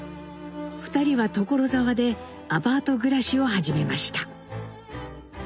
２人は所沢でアパート暮らしを始めました。